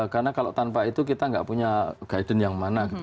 karena kalau tanpa itu kita nggak punya guidance yang mana